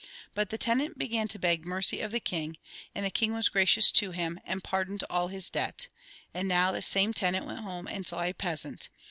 But the tenant began to beg mercy of the king. And the king was gracious to him, and pardoned all his debt. And now, this same tenant went home, and saw a peasant.